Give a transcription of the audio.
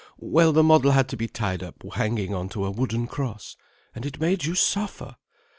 Well, the model had to be tied hanging on to a wooden cross. And it made you suffer!